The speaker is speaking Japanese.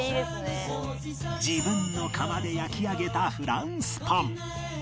自分の窯で焼き上げたフランスパン